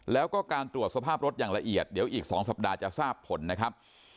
แล้วก็การตรวจสภาพรถอย่างละเอียดเดี๋ยวอีก๒สัปดาห์จะทราบผลนะครับ